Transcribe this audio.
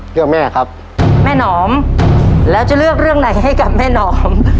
แม่ครับแม่หนอมแล้วจะเลือกเรื่องไหนให้กับแม่หนอม